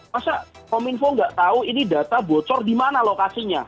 masa kominfo nggak tahu ini data bocor di mana lokasinya